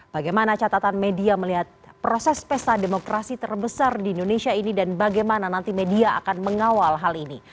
bagaimana catatan media melihat proses pesta demokrasi terbesar di indonesia ini dan bagaimana nanti media akan mengawal hal ini